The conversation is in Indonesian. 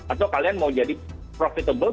atau kalian mau jadi profitable